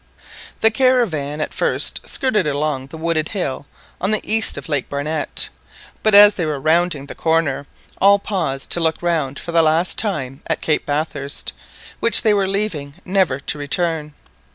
The caravan at first skirted along the wooded hill on the east of Lake Barnett, but as they were rounding the coiner all paused to look round for the last time at Cape Bathurst, which they were leaving never to return.